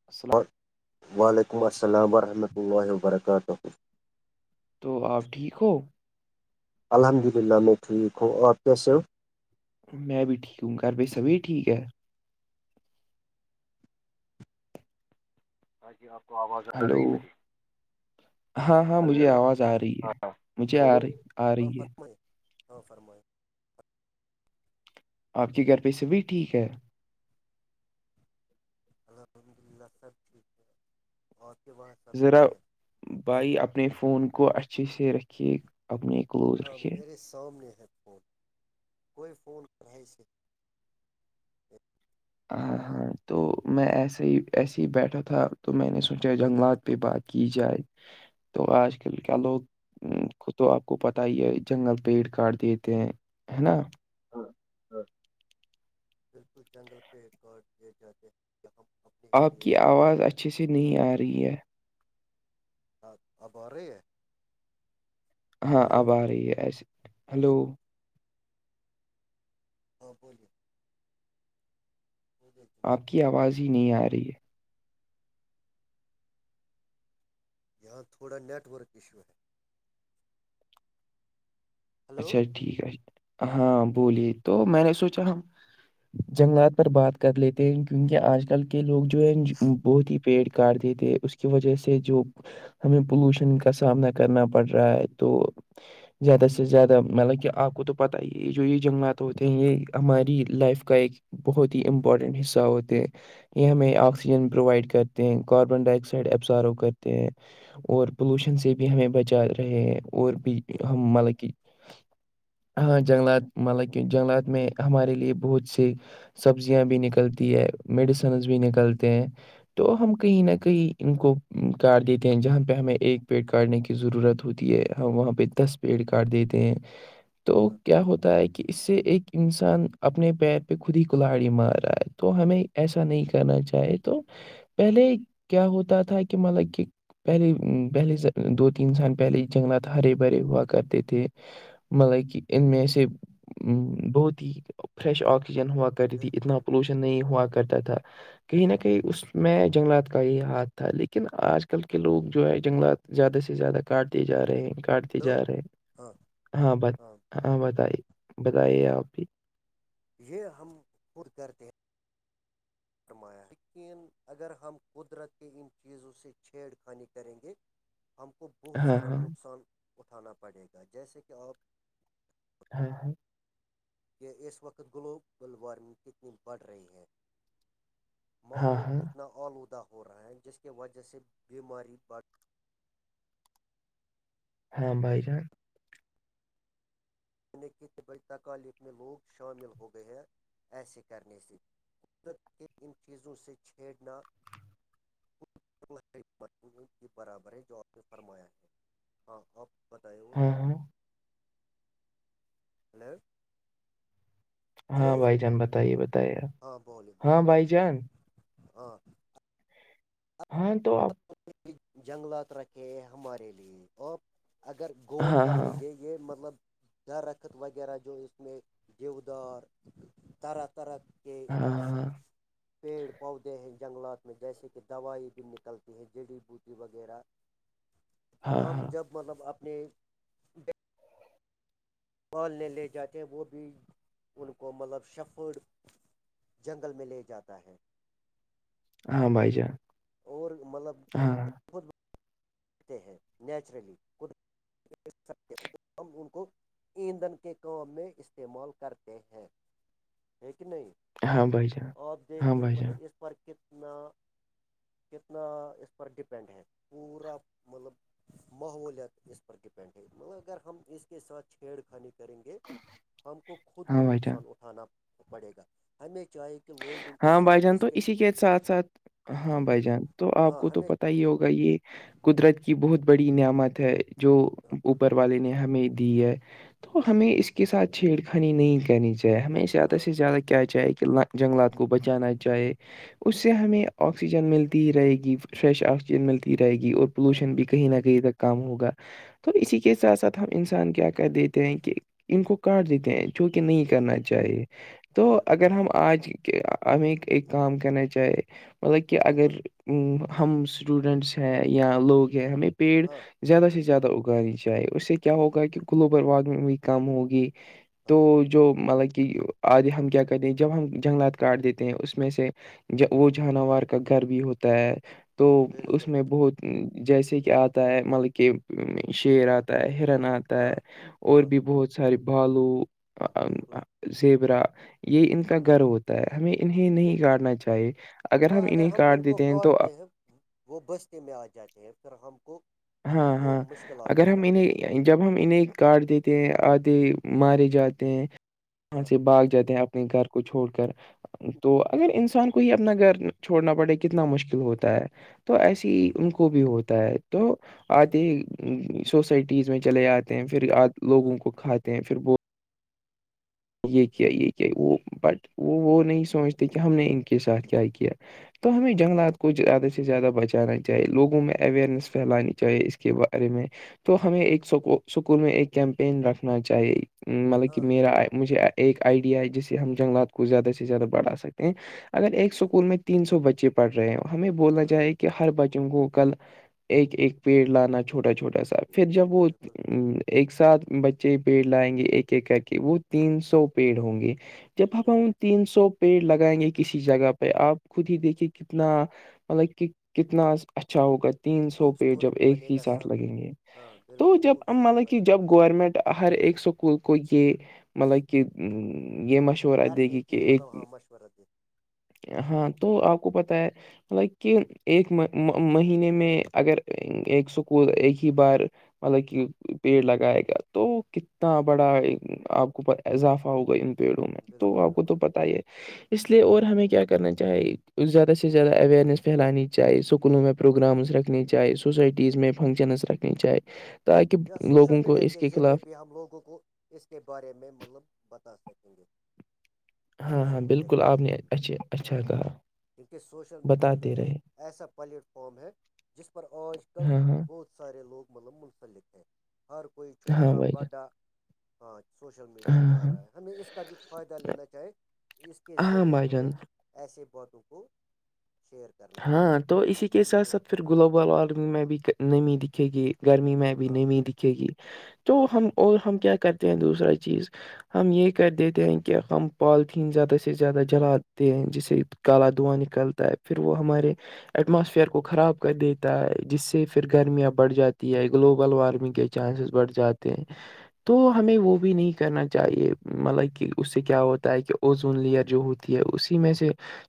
س وعلیکم السلام ورحمۃ اللہ وبرکاتہ- تو آپ ٹھیک ہو- الحمد للہ میں ٹھیک ہوں کیسے ہو- میں بھی ٹھیک ہوں گھر بائی سبھی ٹھیک ہے- ہاں جی آپ کو آواز آ ہلو رہی میری- ہاں ہاں ہیلو مجھے آواز آ رہی ہے ہاں مجھے بو آ رہی آ ہاں رہی ہے فرم ہاں فرم- آپ کے گھر پہ سے بھی ٹھیک ہے- الحمد للہ سب ٹھیک ہے اور کے باں سب ذرا ٹھیک ہے- بھائی اپنے فون کو اچھے سے رکھیے اپنے کلوز رکھھیے- سومنے ہے- کوئی فون کر ہے سے- ہاں ہاں تو میں ایسے ہی ایسے ہی بیٹھا تھا تو میں نے سوچا جنگلات پہ بات- کی جائے تو آج کل کیا لوگ- خ تو آپ کو پت ہی ہے جنگل پیڑ کاٹ دیتے ہیں ہے نا- ہاں- ہاں بالکل جنگل- پے کارڈ جات- آپ کی آواز اچھی سےی نہیں آ رہی ہے- اب رہی ہے- ہاں ہلو اب آ رہی ہے ایسے ایک ہیلو- منٹ، ہاں بولیے- بولیے آپ جناب کی آواز ہی نہیں آ رہی ہے- یہاں تھوڑا نیٹ ورک ایشو ہے- ہلو اچھا ٹھیک ہے ہاں بولیے تو میں نے سوچا- جنگلات پر بات کر لیتے ہیں کیونکہ آج کل کے لوگ جو ہے بہت ہی پیڑ کاٹتے تھے- اس کی وجہ سے جو ہمیں پولوشن کا سامنا کرنا پڑ رہا ہے تو زیادہ سے- سے زیادہ مطلب کہ آپ کو تو پتہ ہے یہ جو یہ جنگلات ہوتے ہیں یہ ہماری لائف کا ایک- بہت ہی امپورٹنٹ حصہ ہوتے ہے- یہ ہمیں آکسیجن پرووائڈ کرتے ہیں کاربن ڈائی آکسائڈ ایبزارو کرتے ہیں- اور پولوشن سے بھی ہمیں بچا رہے ہیں اور بھی ہم بالکل مطلب کہ- ہاں جنگلات مطلب کی جنگلات میں ہمارے لیے بہت سے- سبزیاں بھی نکلتی ہے میڈیسنز بھی نکلتے ہیں تو ہم کہیں نہ بالکل کہیں- ان کو کاڈ دیتے ہیں جہاں پہ ہمیں ایک پیڈ کاٹنے کی ضرورت ہوتی ہے وہاں پہ دس- پ کاڈ دیتے ہیں تو کیا ہوتا ہے- کہ اس سے ایک انسان اپنے پیر پہ خود ہی کلہڑی مار رہا ہے تو ہمیں- ایسا نہیں کرنا چاہے تو پہلے کیا ہوتا تھا کہ مطلب کہ- پہلے- پہلے سے دو تین سان پہلے جنگلات ہرے بھرے ہوا کرتے تھے- مطلب کہ ان میں سے بہت ہی فریش آکسیجن ہوا- کرتی تھی بالکل اتنا بالکل پولوشن نہیں ہوا کرتا تھا کہیں نہ بالکل کہیں اس- میں جنگلات کا ہی ہاتھ تھا لیکن آج کل کے لوگ جو ہے جنگلات زیادہ سے زیادہ- کاٹتی جا رہے ہیں, کاٹتے تو جا رہے ہیں- ہاں ہاں ب ہاں بتائیے بتائیے آپ بھی- یہ ہم خود کرتے ہیں- فرمایا یقین اگر ہم قدرت کے ان چیزوں سے چھیڑ خانی کریں گے- ہم کو بہت ہاں سارا ہاں نقصان اٹھانا پڑے گا جیسے کہ آپ- ہاں- ہاں کہ اس وقت گلوبل وارمنگ کتنی بڑھ رہی ہے- ہاں ہاں ماحول ہاں کتنا آلودہ ہو رہا ہے جس کی وجہ سے بیماری بڑھ- ہاں بھائی جان بائی تکالف میں لوگ شامل ہو گئے ہیں ایسے کرنے سے قدرت کے ان چیزوں سے چھیڑنا کے برابر ہے جو آپ نے فرمایا ہے ہاں آپ بتے ہاں ہاں ہلو ہاں ہلو بھائی جان بتائیے بتائیے ہاں بول آپ بول ہاں بھائی جان ہاں ہاں تو آپ جنگلات رکھے ہمارے لیے اور اگر غور ہاں ہاں کرو گے یہ مطلب درخت وغیرہ جو اس میں دیوودار طرح طرح کہ ہاں پیڑ پودے ہیں جنگلات میں جیسے کہ دوائی بن چلتے ہیں جڑی بوٹی وغیرہ ہاں ہاں ہم ہاں جب مطلب اپنے پالنے لے جاتے ہیں وہ بھی ان کو مطلب شفڑ جنگل میں لے جاتا ہے ہاں بھائی جان اور مطلب ہاں خود ہیں نیچرلی ہم ان کو ایندھن کے کام میں استعمال کرتے ہیں ٹھیک نہیں ہاں بھائی جان آپ دیکھ ہاں کے بھائی جان مطلب اس پر کتنا کتنا اس پر ڈپینڈ ہے پورا مطلب ماحولیات اس پر ڈپینڈ ہے مگر اگر ہم اس کے ساتھ چھیڑ خانیے کریں گے ہم کو خود کو ہاں بھائی جان نقصان اٹھانا پڑے گا ہمیں چاہے گ کہ لوگوں کے ہاں بھائی ساتھ ا جان اسس تو کے اسی ساتھ ساتھ ہاں بھائی جان تو آپ ہاں کو تو ہمیں پتا ہی ہوگا یہ قدرت کی بہت بڑی نعمت ہے جو اوپر والے نے ہمیں دی ہے تو بالکل ہمیں اس کے ساتھ چھیڑخانی نہیں کرنی چاہیے ہمیں زیادہ ہاں سے زیادہ کیا چاہے کہ جنگلات کو بچانا چاہے اس ہاں سے ہمیں آکسیجن ملتی ہی رہے گی فریش آکسیجن ملتی ہی رہے گی اور ہاں پولوشن بھی کہیں نہ کہیں تک کام ہوگا تو اسی بالکل کے ساتھ ساتھ ہم انسان کیا کر دیتے ہیں کہ ان کو کاٹ دیتے ہیں جو کہ نہیں کرنا بالکل چاہیے تو بالکل اگر ہم آج کے ہمیں ایک کام کرنا چاہیے مطلب کہ اگر ہم اسٹوڈنٹس ہیں یا لوگ ہیں ہمیں پیڑ ہاں زیادہ سے زیادہ اگانی چاہیے اس سے کیا ہوگا کہ بالکل گلوبل وارمنگ بھی کم ہوگی تو ہاں جو مطلب کہ آگے ہم کیا کریں جب ہم جنگلات کاٹ دیتے ہیں اس میں سے وہ جانور کا گھر بھی ہوتا ہے تو اس بالکل میں بہت جیسے کہ آتا ہے ملب کہ شیر آتا ہے ہرن آتا ہے ہاں اور ہاں بھی بہت سارے بالو بالکل زیبرا یہ ان کا ہاں گرو ہوتا ہے ہمیں انہیں نہیں بالکل کاٹنا چاہیے اگر ہاں ہم انہیں ان کاٹ کو دیتے ہیں تو کاٹتے وہ بستے میں آ جاتے ہیں پھر ہم کو ہاں بہت ہاں مشکلات اگر ہو ہم جاتے ہیں انہیں جب ہم انہیں کاٹ دیتے ہیں آھے مارے جاتے ہیں وہاں ہاں سے باگ جاتے ہیں اپنے گھر کو چھوڑ کر تو اگر انسان کو ہی اپنا گھر چھوڑنا پڑے کتنا مشکل ہوتا ہے تو ایسے ہی بہت ان کو مشکل بھی ہوتا ہے تو آدے بالکل سوسائٹیز میں چلے آتے ہیں پھر لوگوں ہاں کو کھاتے ہیں پھر یہ کیا بالکل یہ کیا وہ بٹ وہ وہ نہیں سمچتے کہ ہم نے ان کے ساتھ کیا کیا تو ہمیں جنگلات کو زیادہ سے زیادہ بچانا چاہے لوگوں میں اوئرنیس بالکل پھیلانی چاہے اس کے بارے میں تو ہمیں ایک سک سکول میں ایک کیمپین رکھنا چاہیے مطلب کہ ہاں میرا مجھے ایک آئیڈیا ہے جس سے ہم جنگلات کو زیادہ سے زیادہ بڑھا سکتے ہیں اگر ایک اسکول میں تین سو بچے پڑھ رہے ہیں ہمیں بولا ہاں جائے کہ ہر بچوں کو کل ایک ایک پیڑ لانا چھوٹا چھوٹا سا پھر جب وہ بالکل ایک ساتھ بچے پیڑ لائیں گے ایک ایک کر کے وہ تین سو پیڑ ہوں گے جب اب ہم بالکل تین سو پیڑ لگائیں گے کسی جگہ پہ آپ خود ہی دیکھیے کتنا مطلب کہ کتنا اچھا ہوگا تین سو پہ جب خوبصورت ایک بنے ہی گا ساتھ سب لگیں گے ہاں تو بالکل جب خوبصورتی مطلب کہ بڑھے گی جب گورنمنٹ ہر ایکک سکول کو یہ مطلب کہ یہ مش چ رہا دیک کرنے گی کہ کی مطلب ایک ہاں مشورہ دے ہاں تو آپ کو پتا ہے لطائک کہ ایک مہینے میں اگر ایک سکول ایک ہی بار مطلب کہ پیڑ لگائے گا تو کتنا بڑا آپ اوپ اضافہ ہوگا ان پیڑوں میں تو بالکل آپ کو بالکل تو پت ہی ہے اس لیے اور ہمیں کیا کرنا چاہی زیادہ سے زیادہ اوئرنیس پھیلانی چاہے اسکولوں میں پروگرامس رکھنے چاہے سوسائٹیز میں فنکشنز رکھنی چاہی یا سوشل میڈیا کے ذریعے بھی ہم لوگوں کو اس کے بارے میں مطلب بتا سکیں گے ہاں سوشل ہاں میڈیا بالکل کے آپ ذریعے نے بھی اچھے اچھا ہاں کہا کیونکہ سوشل میڈیا بتاتے ایک رہے ایسا پلیٹ فارم ہے جس پر آج کل ہاں ہاں بہت سارے لوگ م منسلک ہیں ہر کوئی ہاں چھوٹا بھائی باڈا ہاں سوشل جان میڈیا ہاں چلا ہاں رہا ہے ہمیں اس کا بھی فائدہ لینا چاہے اس کے ہاں ذریعے بھائی جان ہمیں ایسے باتوں کو شئیر کر ہاں تو اسی کے ساتھ ساتھ پھر گلوبل وارمنگ میں بھی نمی دکھے گی گرمی میں بھی ہاں نہیں بھی دکھے گی تو ہاں ہم اور ہم کیا کرتے ہیں دوسرا چیز ہم یہ کر دیتے ہیں کہ ہم پالیتھیین زیادہ سے زیادہ جلاتے ہیں جسے کالا دواں نکالتا ہے پھر وہ ہمارے ایٹماسفیئر کو خراب کر دیتا ہے جس سے پھر گرمیاں بڑھ جاتی ہے گلوبل وارمنگ کے چانسز بڑھ جاتے ہیں تو ہمیں وہ بھی نہیں کرنا چاہیے مطلب کہ اس سے کیا ہوتا ہے کہ اوزون لیئر جو ہوتی ہے اسی میں سے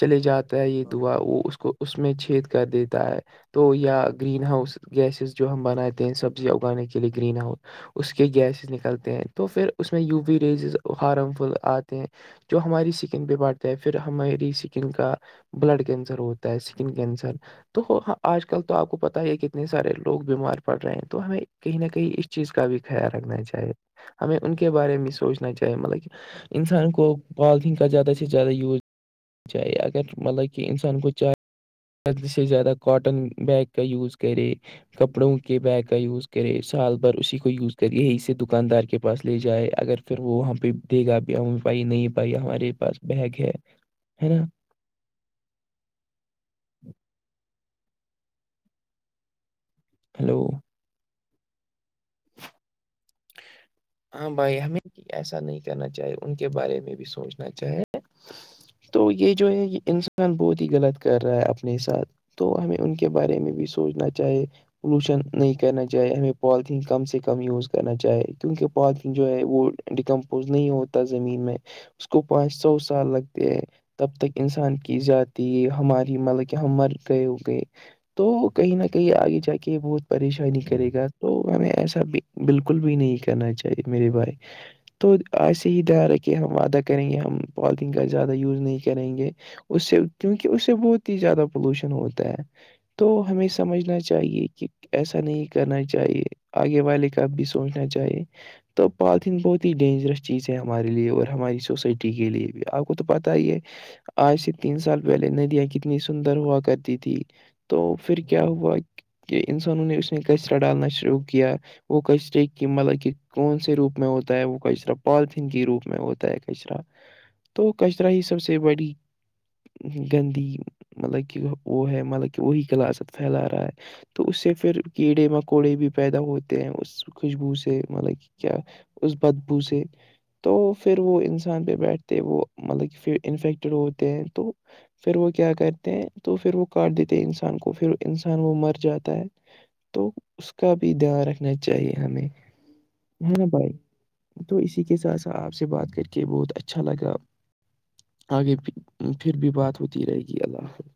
چلے جاتا ہے یہ ہاں دعا وہ اس کو اس میں چھید کر دیتا ہے تو یا بالکل گرین ہاؤس گیسز جو ہم بناتے ہیں سبزیاں اگانے کے لیے گرین ہاؤس اس کے گیسز نکلتے ہیں تو پھر اس میں U V rays harmful آتے ہیں جو ہماری سکن پہ بڑھتا ہے پھر ہماری سکن کا بلڈ کینسر ہوتا ہے اسکن کینسر تو آج کل تو آپ کو پتا ہی ہے کتنے سارے لوگ بیمار پڑ رہے ہیں تو ہمیں کہیں نہ کہیں اس چیز کا بھی خیال رکھنا چاہیے ہمیں ان کے بارے میں سوچنا چاہیے مطلب کہ انسان کو پالیتین کا زیادہ سے زیادہ یوز چاہی اگر مطلب کہ انسان کو چاہے زیاد سے زیادہ کااٹن بیگ کا یوز کرے کپڑوں کے بیگ کا یوز کرے سال بھر اسی کو یوز کرے یہی سے دکاندار کے پاس لے جائے اگر پھر وہ وہاں پہ دے گا بھی پائی نہیں پائی ہمارے پاس بیگ ہے ہے نا [unintelligible] ہیلو ج ہاں بھائی ہمیں ایسا نہیں کرنا چاہی ان کے بارے میں بھی سوچنا چاہے تو یہ جو ہے انسان بہت ہی غلط کر رہا ہے اپنے ساتھ تو ہمیں ان کے بارے میں بھی سوچنا چاہے پولوشن نہیں کرنا چاہے ہمیں پالیتھیین کم سے کم یوز کرنا چاہے کیونکہ پ جو ہے وہ ڈیکمپوز نہیں ہوتا زمین میں اس کو پانچ سو سال لگتے ہیں تب تک انسان کی زادی یہ ہماری مطلب کہ ہم مر گئے ہو گئے تو کہیں نہ کہیں آگے جا کے بہت پریشانی کرے گا تو ہمیں ایسا بالکل بھی نہیں کہنا ہی چاہیے میری بھائی تو ایسے ہی دھی ر ہے کہ ہم وعدہ کریں گے ہم پالیتین کا زیادہ یوز نہیں کریں گے اس سے کیونکہ اس سے بہت ہی زیادہ پولوشن ہوتا ہے تو ہمیں سمجھنا چاہیے کہ ایسا نہیں کرنا چاہیے آگے والے کا بھی سوچنا چاہیے تو پالتھیین بہت ہی ڈینجرس چیز ہے ہمارے لیے اور ہماری سوسائٹی کے لیے بھی آپ کو تو پتہ ہی ہے آج سے تین سال پہلے ندیاں کتنی سندر ہوا کرتی تھی تو پھر کیا ہوا کہ انسانوں نے اس میں کیسر ڈالنا شروع کیا وہ کیسٹ کی مطلب کہ کون سے روپ میں ہوتا ہے وہ کچرا پالتن کے روپ میں ہوتا ہے کچرا تو کچرا ہی سب سے بڑی گندی مطلب کہ وہ ہے مطلب کہ وہی کلاس پھیلا رہا ہے تو اس سے پھر کیڑے مکوڑے بھی پیدا ہوتے ہیں اس خوشبو سے مطلک کیا اس بدبو سے تو پھر وہ انسان پہ بیٹھتے وہ مطلب کہ پھر انفیکٹیڈ ہوتے ہیں تو پھر وہ کیا کرتے ہیں تو پھر وہ کاٹ دیتے ہیں انسان کو پھر انسان وہ مر جاتا ہے تو اس کا بھی دھیان رکھنا چاہیے ہمیں ہے نا بھائی تو اسی کے ساتھ س آپ سے بات کر کے بہت اچھا لگا آگے پھر بھی بات ہوتی رہے گی اللہ حافظ